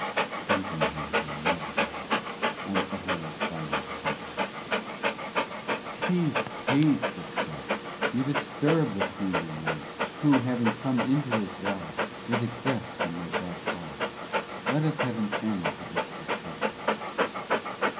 Something had come near on utterly silent feet. 'Peace, peace!' it said. 'You disturb the queenly night, who, having come into this valley, is a guest in my dark halls. Let us have an end to this discussion.'